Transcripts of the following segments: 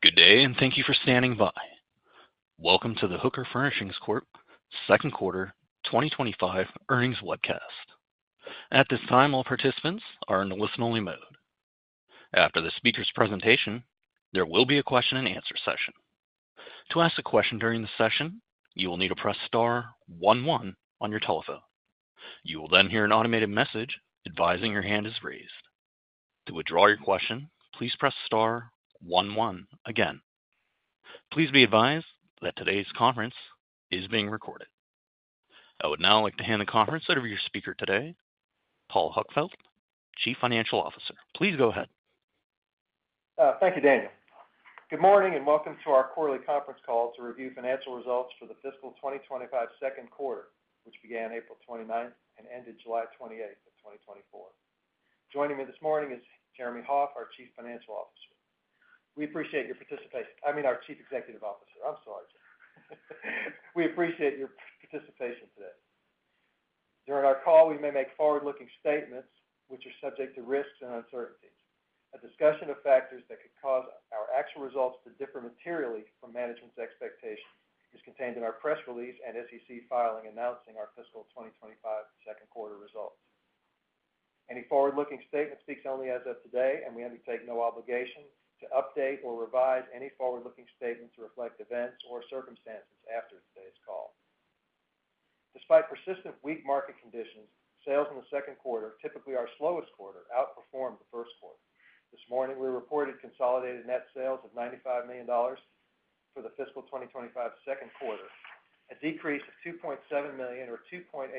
Good day, and thank you for standing by. Welcome to the Hooker Furnishings Corp second quarter twenty twenty-five earnings webcast. At this time, all participants are in listen-only mode. After the speaker's presentation, there will be a question-and-answer session. To ask a question during the session, you will need to press star one one on your telephone. You will then hear an automated message advising your hand is raised. To withdraw your question, please press star one one again. Please be advised that today's conference is being recorded. I would now like to hand the conference over to your speaker today, Paul Huckfeldt, Chief Financial Officer. Please go ahead. Thank you, Daniel. Good morning, and welcome to our quarterly conference call to review financial results for the fiscal twenty twenty-five second quarter, which began April twenty-ninth and ended July twenty-eighth of twenty twenty-four. Joining me this morning is Jeremy Hoff, our Chief Financial Officer. We appreciate your participation... I mean, our Chief Executive Officer. I'm sorry, Jeremy. We appreciate your participation today. During our call, we may make forward-looking statements, which are subject to risks and uncertainties. A discussion of factors that could cause our actual results to differ materially from management's expectations is contained in our press release and SEC filing, announcing our fiscal twenty twenty-five second quarter results. Any forward-looking statement speaks only as of today, and we undertake no obligation to update or revise any forward-looking statement to reflect events or circumstances after today's call. Despite persistent weak market conditions, sales in the second quarter, typically our slowest quarter, outperformed the first quarter. This morning, we reported consolidated net sales of $95 million for the fiscal 2025 second quarter, a decrease of $2.7 million or 2.8%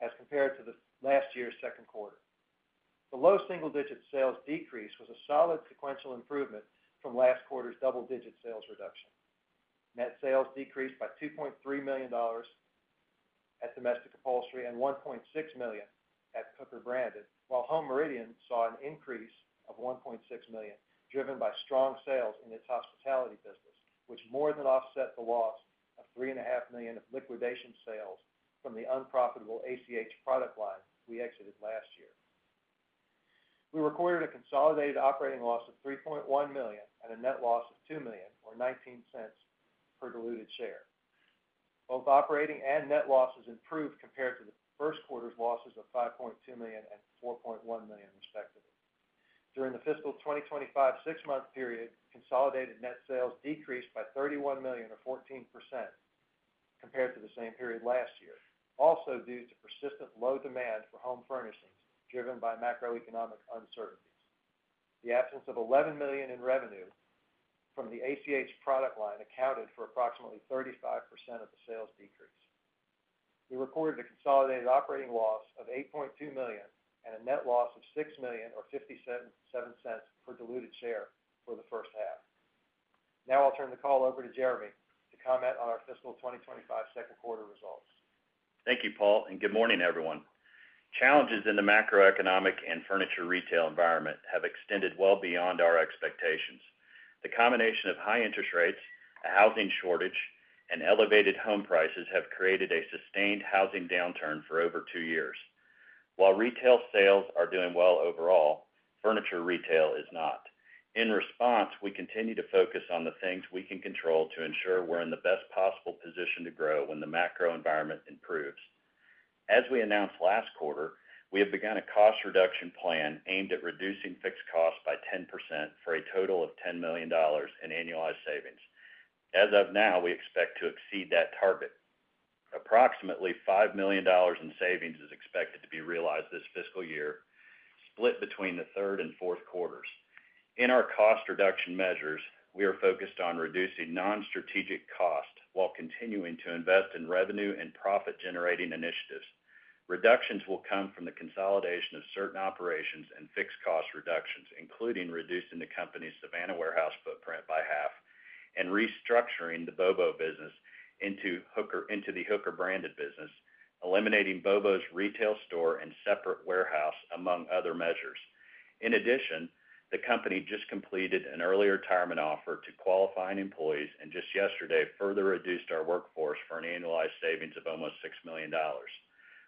as compared to the last year's second quarter. The low single-digit sales decrease was a solid sequential improvement from last quarter's double-digit sales reduction. Net sales decreased by $2.3 million at Domestic Upholstery and $1.6 million at Hooker Branded, while Home Meridian saw an increase of $1.6 million, driven by strong sales in its hospitality business, which more than offset the loss of $3.5 million of liquidation sales from the unprofitable ACH product line we exited last year. We recorded a consolidated operating loss of $3.1 million and a net loss of $2 million, or $0.19 per diluted share. Both operating and net losses improved compared to the first quarter's losses of $5.2 million and $4.1 million, respectively. During the fiscal 2025 six-month period, consolidated net sales decreased by $31 million or 14% compared to the same period last year, also due to persistent low demand for home furnishings, driven by macroeconomic uncertainties. The absence of $11 million in revenue from the ACH product line accounted for approximately 35% of the sales decrease. We recorded a consolidated operating loss of $8.2 million, and a net loss of $6 million or $0.57 per diluted share for the first half. Now I'll turn the call over to Jeremy to comment on our fiscal 2025 second quarter results. Thank you, Paul, and good morning, everyone. Challenges in the macroeconomic and furniture retail environment have extended well beyond our expectations. The combination of high interest rates, a housing shortage, and elevated home prices have created a sustained housing downturn for over two years. While retail sales are doing well overall, furniture retail is not. In response, we continue to focus on the things we can control to ensure we're in the best possible position to grow when the macro environment improves. As we announced last quarter, we have begun a cost reduction plan aimed at reducing fixed costs by 10% for a total of $10 million in annualized savings. As of now, we expect to exceed that target. Approximately $5 million in savings is expected to be realized this fiscal year, split between the third and fourth quarters. In our cost reduction measures, we are focused on reducing non-strategic costs while continuing to invest in revenue and profit-generating initiatives. Reductions will come from the consolidation of certain operations and fixed cost reductions, including reducing the company's Savannah warehouse footprint by half and restructuring the BOBO business into the Hooker Branded business, eliminating BOBO's retail store and separate warehouse, among other measures. In addition, the company just completed an early retirement offer to qualifying employees, and just yesterday, further reduced our workforce for an annualized savings of almost $6 million.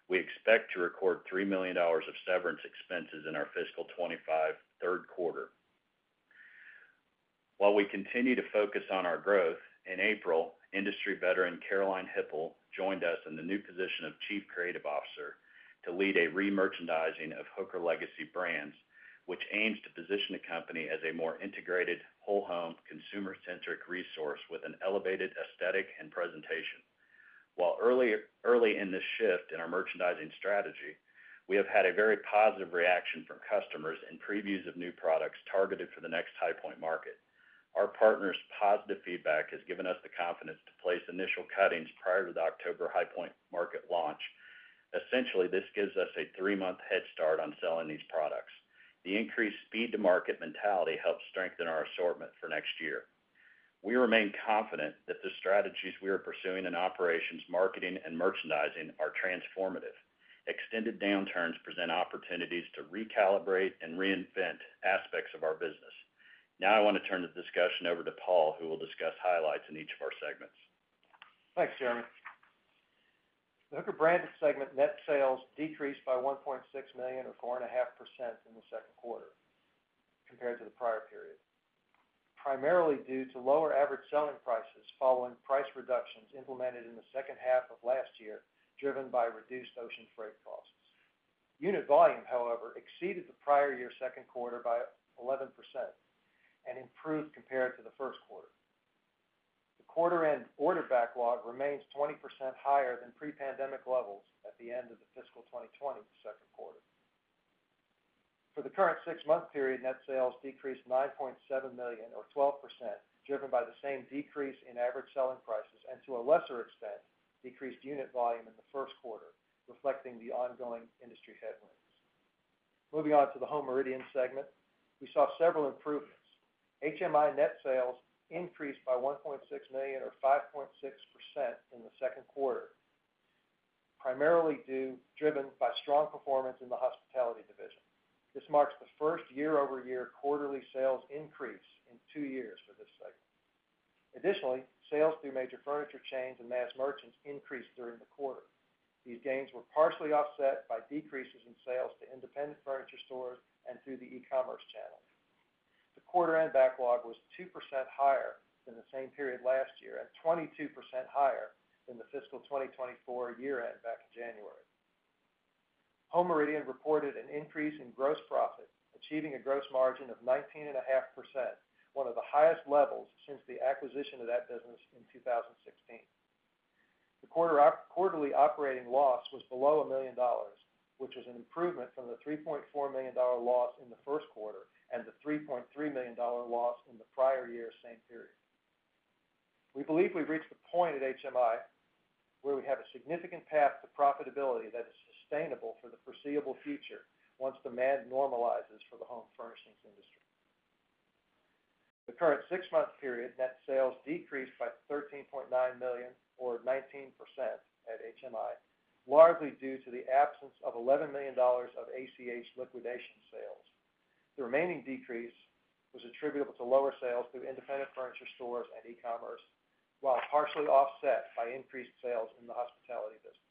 We expect to record $3 million of severance expenses in our fiscal twenty-five third quarter. While we continue to focus on our growth, in April, industry veteran, Caroline Hipple, joined us in the new position of Chief Creative Officer to lead a remerchandising of Hooker legacy brands, which aims to position the company as a more integrated, whole home, consumer-centric resource with an elevated aesthetic and presentation. While early in this shift in our merchandising strategy, we have had a very positive reaction from customers in previews of new products targeted for the next High Point Market. Our partners' positive feedback has given us the confidence to place initial cuttings prior to the October High Point Market launch. Essentially, this gives us a three-month head start on selling these products. The increased speed to market mentality helps strengthen our assortment for next year. We remain confident that the strategies we are pursuing in operations, marketing, and merchandising are transformative. Extended downturns present opportunities to recalibrate and reinvent aspects of our business. Now, I want to turn the discussion over to Paul, who will discuss highlights in each of our segments. Thanks, Jeremy. The Hooker Branded segment net sales decreased by $1.6 million or 4.5% in the second quarter compared to the prior period, primarily due to lower average selling prices following price reductions implemented in the second half of last year, driven by reduced ocean freight costs. Unit volume, however, exceeded the prior year second quarter by 11% and improved compared to the first quarter. The quarter end order backlog remains 20% higher than pre-pandemic levels at the end of the fiscal 2022 second quarter. For the current six-month period, net sales decreased $9.7 million, or 12%, driven by the same decrease in average selling prices and, to a lesser extent, decreased unit volume in the first quarter, reflecting the ongoing industry headwinds. Moving on to the Home Meridian segment, we saw several improvements. HMI net sales increased by 1.6 million, or 5.6% in the second quarter, primarily driven by strong performance in the hospitality division. This marks the first year-over-year quarterly sales increase in two years for this segment. Additionally, sales through major furniture chains and mass merchants increased during the quarter. These gains were partially offset by decreases in sales to independent furniture stores and through the e-commerce channel. The quarter end backlog was 2% higher than the same period last year, and 22% higher than the fiscal 2024 year end back in January. Home Meridian reported an increase in gross profit, achieving a gross margin of 19.5%, one of the highest levels since the acquisition of that business in 2016. The quarterly operating loss was below $1 million, which is an improvement from the $3.4 million loss in the first quarter and the $3.3 million loss in the prior year, same period. We believe we've reached the point at HMI where we have a significant path to profitability that is sustainable for the foreseeable future once demand normalizes for the home furnishings industry. In the current six-month period, net sales decreased by $13.9 million, or 19% at HMI, largely due to the absence of $11 million of ACH liquidation sales. The remaining decrease was attributable to lower sales through independent furniture stores and e-commerce, while partially offset by increased sales in the hospitality business.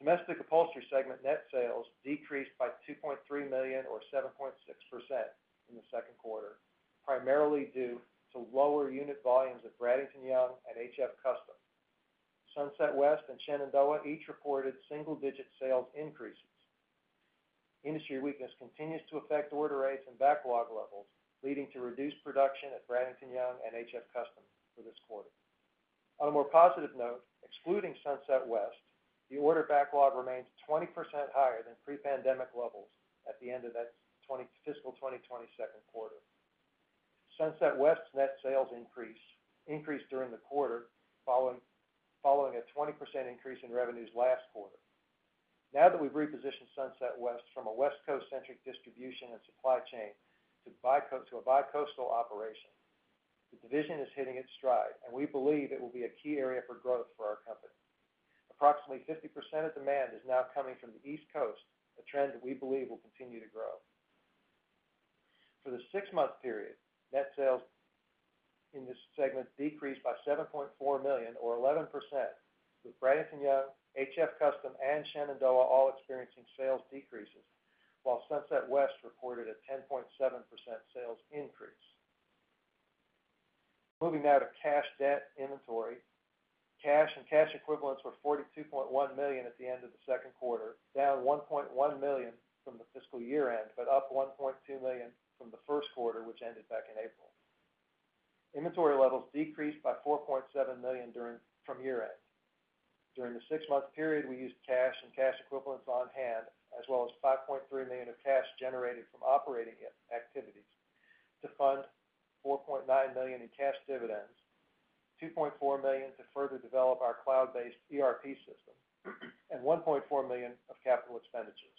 Domestic Upholstery segment net sales decreased by $2.3 million, or 7.6% in the second quarter, primarily due to lower unit volumes at Bradington-Young and HF Custom. Sunset West and Shenandoah each reported single-digit sales increases. Industry weakness continues to affect order rates and backlog levels, leading to reduced production at Bradington-Young and HF Custom for this quarter. On a more positive note, excluding Sunset West, the order backlog remains 20% higher than pre-pandemic levels at the end of that fiscal 2022 second quarter. Sunset West's net sales increased during the quarter, following a 20% increase in revenues last quarter. Now that we've repositioned Sunset West from a West Coast-centric distribution and supply chain to a bicoastal operation, the division is hitting its stride, and we believe it will be a key area for growth for our company. Approximately 50% of demand is now coming from the East Coast, a trend that we believe will continue to grow. For the six-month period, net sales in this segment decreased by $7.4 million, or 11%, with Bradington-Young, HF Custom, and Shenandoah all experiencing sales decreases, while Sunset West reported a 10.7% sales increase. Moving now to cash, debt, inventory. Cash and cash equivalents were $42.1 million at the end of the second quarter, down $1.1 million from the fiscal year end, but up $1.2 million from the first quarter, which ended back in April. Inventory levels decreased by $4.7 million from year end. During the six-month period, we used cash and cash equivalents on hand, as well as $5.3 million of cash generated from operating activities to fund $4.9 million in cash dividends, $2.4 million to further develop our cloud-based ERP system, and $1.4 million of capital expenditures.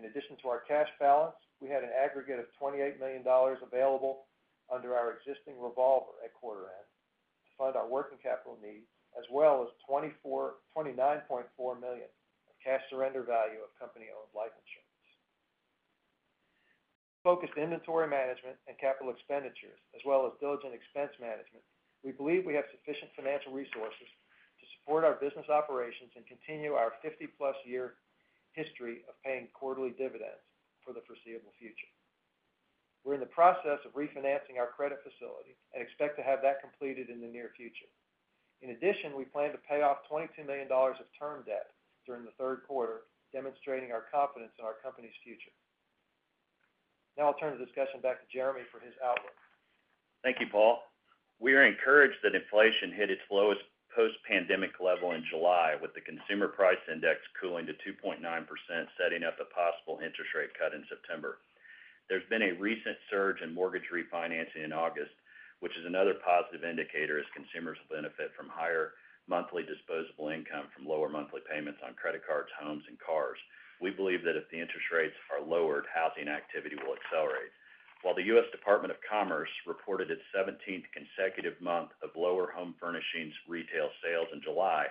In addition to our cash balance, we had an aggregate of $28 million available under our existing revolver at quarter end to fund our working capital needs, as well as $29.4 million of cash surrender value of company-owned life insurance. Focused inventory management and capital expenditures, as well as builds and expense management, we believe we have sufficient financial resources to support our business operations and continue our 50-plus year history of paying quarterly dividends for the foreseeable future. We're in the process of refinancing our credit facility and expect to have that completed in the near future. In addition, we plan to pay off $22 million of term debt during the third quarter, demonstrating our confidence in our company's future. Now I'll turn the discussion back to Jeremy for his outlook. Thank you, Paul. We are encouraged that inflation hit its lowest post-pandemic level in July, with the Consumer Price Index cooling to 2.9%, setting up a possible interest rate cut in September. There's been a recent surge in mortgage refinancing in August, which is another positive indicator as consumers will benefit from higher monthly disposable income from lower monthly payments on credit cards, homes, and cars. We believe that if the interest rates are lowered, housing activity will accelerate. While the U.S. Department of Commerce reported its seventeenth consecutive month of lower home furnishings retail sales in July,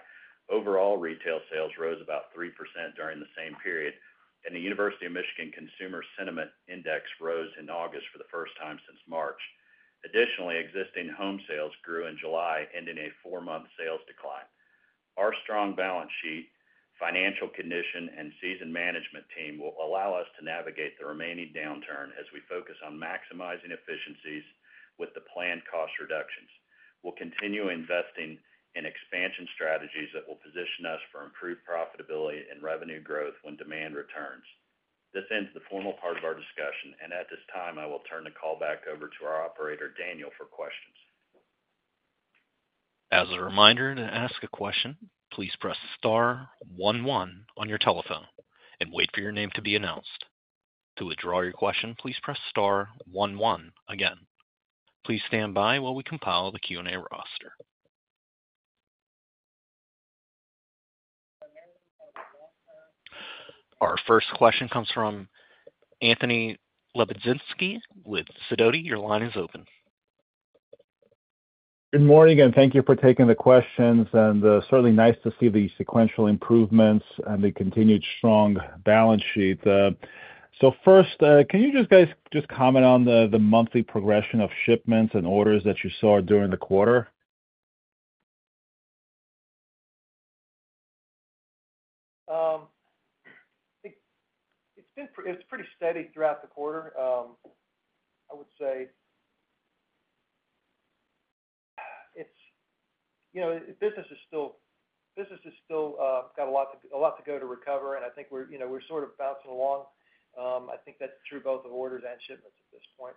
overall retail sales rose about 3% during the same period, and the University of Michigan Consumer Sentiment Index rose in August for the first time since March. Additionally, existing home sales grew in July, ending a four-month sales decline. Our strong balance sheet, financial condition, and senior management team will allow us to navigate the remaining downturn as we focus on maximizing efficiencies with the planned cost reductions. We'll continue investing in expansion strategies that will position us for improved profitability and revenue growth when demand returns. This ends the formal part of our discussion, and at this time, I will turn the call back over to our operator, Daniel, for questions. As a reminder, to ask a question, please press star one one on your telephone and wait for your name to be announced. To withdraw your question, please press star one one again. Please stand by while we compile the Q&A roster. Our first question comes from Anthony Lebiedzinski with Sidoti. Your line is open. Good morning, and thank you for taking the questions, and, certainly nice to see the sequential improvements and the continued strong balance sheet. So first, can you guys just comment on the monthly progression of shipments and orders that you saw during the quarter? It's pretty steady throughout the quarter. I would say, it's... You know, business is still got a lot to go to recover, and I think we're, you know, we're sort of bouncing along. I think that's true both of orders and shipments at this point.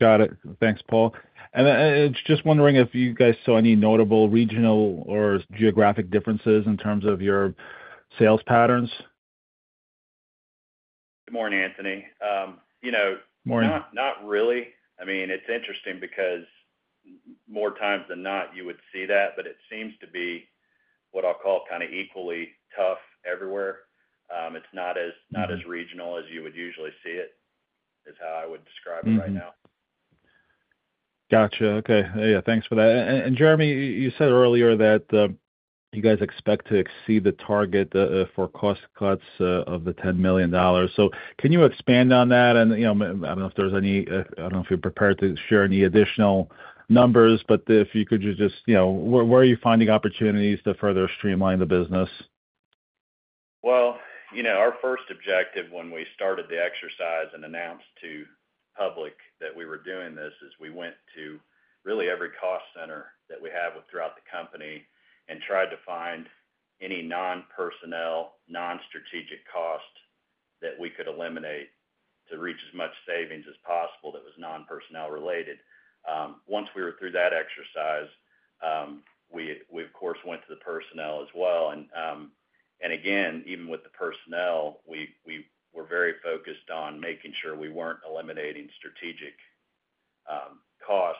Got it. Thanks, Paul. And I just wondering if you guys saw any notable regional or geographic differences in terms of your sales patterns? Good morning, Anthony. You know- Morning... Not, not really. I mean, it's interesting because more times than not, you would see that, but it seems to be what I'll call kind of equally tough everywhere. It's not as, not as regional as you would usually see it, is how I would describe it right now. Gotcha. Okay. Yeah, thanks for that. And Jeremy, you said earlier that you guys expect to exceed the target for cost cuts of the $10 million. So can you expand on that? And, you know, I don't know if there's any. I don't know if you're prepared to share any additional numbers, but if you could just, you know, where are you finding opportunities to further streamline the business? You know, our first objective when we started the exercise and announced to public that we were doing this is we went to really every cost center that we have throughout the company and tried to find any non-personnel, non-strategic cost that we could eliminate to reach as much savings as possible that was non-personnel related. Once we were through that exercise, we, of course, went to the personnel as well. Again, even with the personnel, we were very focused on making sure we weren't eliminating strategic cost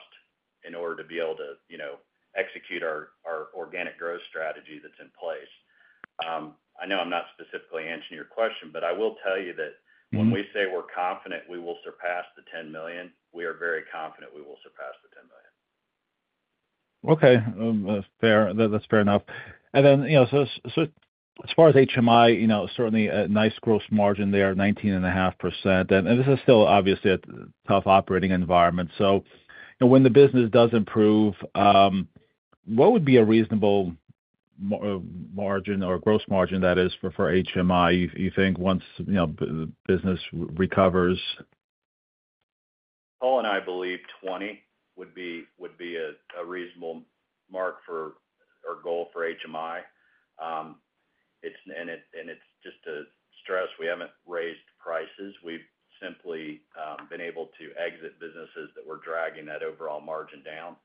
in order to be able to, you know, execute our organic growth strategy that's in place. I know I'm not specifically answering your question, but I will tell you that-... when we say we're confident we will surpass the $10 million, we are very confident we will surpass the $10 million. Okay. Fair. That's fair enough. And then, you know, so as far as HMI, you know, certainly a nice gross margin there, 19.5%. And this is still obviously a tough operating environment. So, and when the business does improve, what would be a reasonable margin or gross margin that is for HMI, you think, once, you know, business recovers? Paul and I believe 20 would be a reasonable mark or goal for HMI. It's just to stress, we haven't raised prices. We've simply been able to exit businesses that were dragging that overall margin down.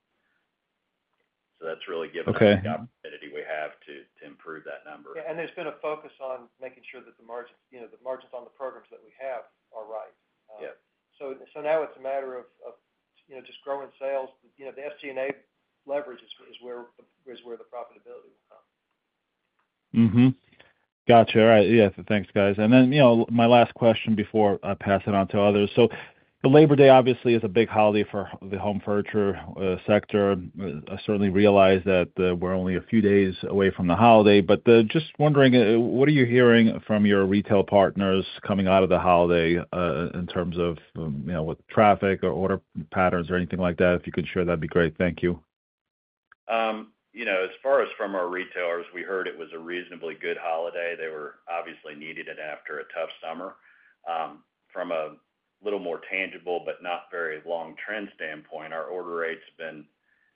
So that's really given us- Okay... the opportunity we have to improve that number. Yeah, and there's been a focus on making sure that the margins, you know, the margins on the programs that we have are right. Yeah. So now it's a matter of, you know, just growing sales. You know, the SG&A leverage is where the profitability will come. Mm-hmm. Got you. All right. Yeah, thanks, guys. And then, you know, my last question before I pass it on to others. So the Labor Day obviously is a big holiday for the home furniture sector. I certainly realize that we're only a few days away from the holiday, but just wondering what are you hearing from your retail partners coming out of the holiday in terms of, you know, with traffic or order patterns or anything like that? If you could share, that'd be great. Thank you. You know, as far as from our retailers, we heard it was a reasonably good holiday. They were obviously needed it after a tough summer. From a little more tangible but not very long trend standpoint, our order rates have been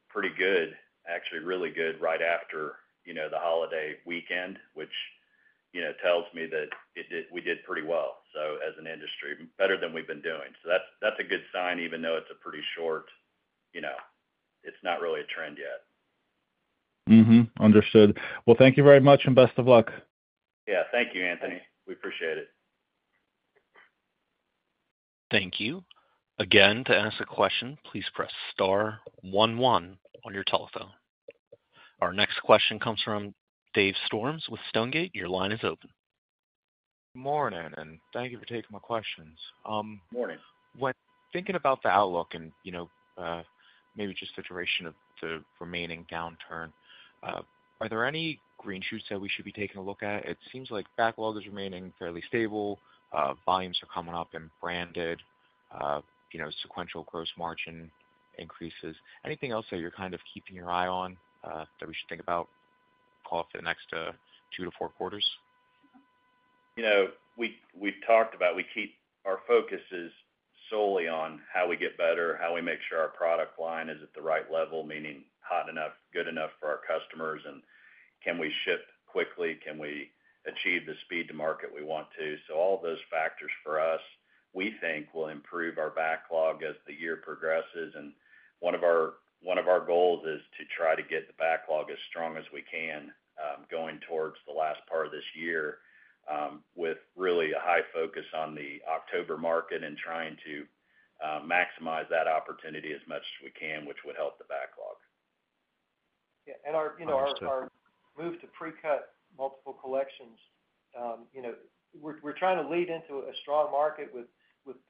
pretty good, actually really good, right after, you know, the holiday weekend, which, you know, tells me that we did pretty well, so as an industry, better than we've been doing. So that's, that's a good sign, even though it's a pretty short, you know, it's not really a trend yet. Understood. Well, thank you very much, and best of luck. Yeah. Thank you, Anthony. We appreciate it. Thank you. Again, to ask a question, please press star one one on your telephone. Our next question comes from Dave Storms with Stonegate. Your line is open. ...Good morning, and thank you for taking my questions. Morning. When thinking about the outlook and, you know, maybe just the duration of the remaining downturn, are there any green shoots that we should be taking a look at? It seems like backlog is remaining fairly stable, volumes are coming up and branded, you know, sequential gross margin increases. Anything else that you're kind of keeping your eye on, that we should think about call it for the next, two to four quarters? You know, we, we've talked about... We keep our focuses solely on how we get better, how we make sure our product line is at the right level, meaning hot enough, good enough for our customers, and can we ship quickly? Can we achieve the speed to market we want to? So all those factors for us, we think will improve our backlog as the year progresses, and one of our, one of our goals is to try to get the backlog as strong as we can, going towards the last part of this year, with really a high focus on the October market and trying to, maximize that opportunity as much as we can, which would help the backlog. Yeah, and our, you know, our move to pre-cut multiple collections, you know, we're trying to lead into a strong market with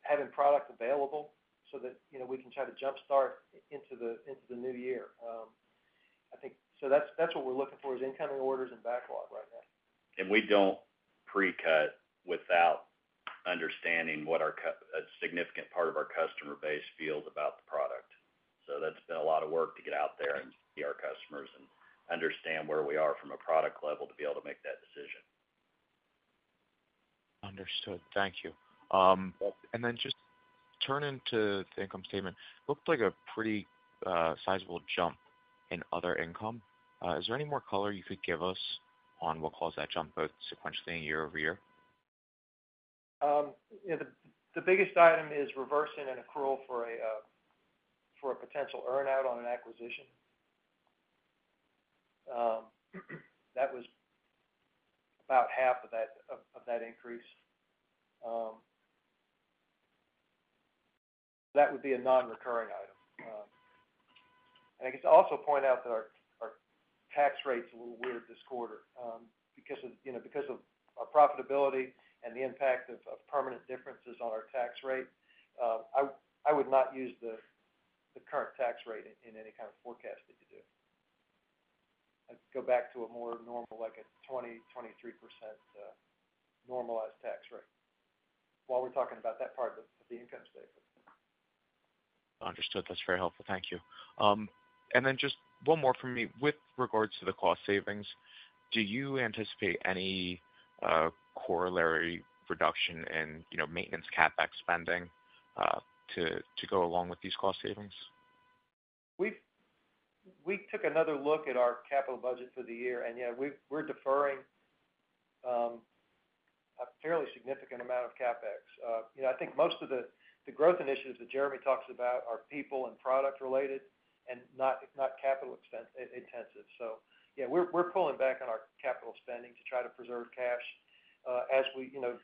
having product available so that, you know, we can try to jumpstart into the new year. I think so that's what we're looking for, is incoming orders and backlog right now. We don't pre-cut without understanding what a significant part of our customer base feels about the product. That's been a lot of work to get out there and see our customers and understand where we are from a product level to be able to make that decision. Understood. Thank you. And then just turning to the income statement, looked like a pretty sizable jump in other income. Is there any more color you could give us on what caused that jump, both sequentially and year-over-year? Yeah, the biggest item is reversing an accrual for a potential earn-out on an acquisition. That was about half of that increase. That would be a non-recurring item. And I guess I'll also point out that our tax rate's a little weird this quarter. Because of, you know, because of our profitability and the impact of permanent differences on our tax rate, I would not use the current tax rate in any kind of forecasting to do. Let's go back to a more normal, like, a 23% normalized tax rate, while we're talking about that part of the income statement. Understood. That's very helpful. Thank you, and then just one more from me. With regards to the cost savings, do you anticipate any corollary reduction in, you know, maintenance CapEx spending to go along with these cost savings? We took another look at our capital budget for the year, and yeah, we're deferring a fairly significant amount of CapEx. You know, I think most of the growth initiatives that Jeremy talks about are people and product related and not capital expense-intensive. So yeah, we're pulling back on our capital spending to try to preserve cash. As we, you know,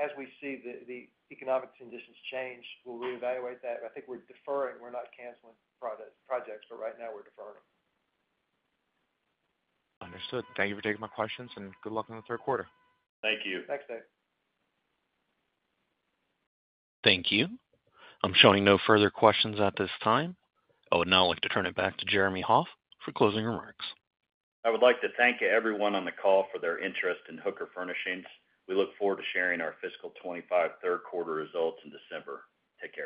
as we see the economic conditions change, we'll reevaluate that. I think we're deferring. We're not canceling projects, but right now we're deferring them. Understood. Thank you for taking my questions, and good luck on the third quarter. Thank you. Thanks, Dave. Thank you. I'm showing no further questions at this time. I would now like to turn it back to Jeremy Hoff for closing remarks. I would like to thank everyone on the call for their interest in Hooker Furnishings. We look forward to sharing our fiscal 2025 third quarter results in December. Take care.